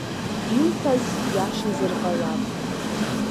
Иуҳәаз иашазар ҟалап…